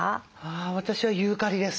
私はユーカリです。